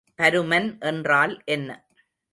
பருமன் என்றால் என்ன?